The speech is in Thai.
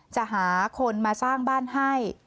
จะหาคนมาสร้างบ้านให้